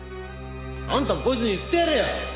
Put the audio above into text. あんたもこいつに言ってやれよ！